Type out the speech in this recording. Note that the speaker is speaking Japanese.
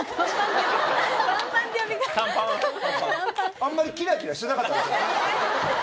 あんまりキラキラしてなかったんでしょうね。